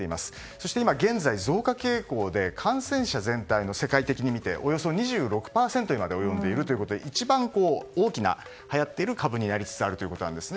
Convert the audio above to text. そして現在、増加傾向で世界的に見て感染者全体のおよそ２６％にまで及んでいるということで一番、大きなはやっている株になりつつあるということです。